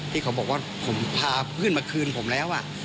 ที่เขาบอกว่าผมพาพืชมาคืนผมแล้วอ่ะ